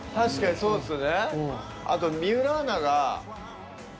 そうですよね。